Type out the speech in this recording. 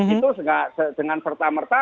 itu dengan berta merta